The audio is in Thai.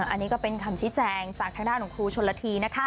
อันนี้ก็เป็นคำชี้แจงจากทางด้านของครูชนละทีนะคะ